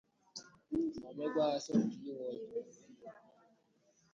ma mekwa asọmpi ịwa ọjị